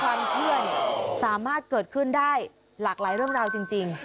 ความเชื่อสามารถเกิดขึ้นได้หลากหลายเรื่องราวจริง